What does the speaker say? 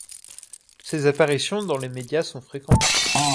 Ses apparitions dans les médias sont fréquentes.